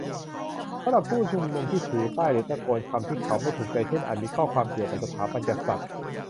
สำหรับผู้ชุมนุมที่ถือป้ายหรือตะโกนคำที่เขาไม่ถูกใจ เช่น อาจมีข้อความเกี่ยวกับสถาบันกษัตริย์